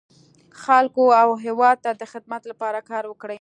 خلکو او هېواد ته د خدمت لپاره کار وکړي.